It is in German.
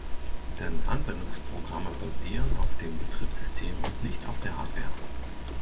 Denn Anwendungsprogramme basieren auf dem Betriebssystem und nicht auf der Hardware.